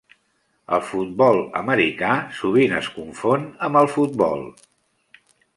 El futbol americà sovint es confon amb el futbol.